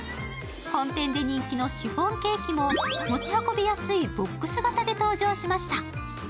本店で人気のシフォンケーキも持ち運びやすいボックス型で登場しました。